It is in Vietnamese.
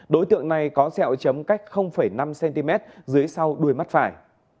đối tượng này có sẹo chấm cách năm cm dưới sau đuôi mắt phải